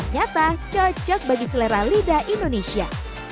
nyata cocok bagi selera lidah indonesia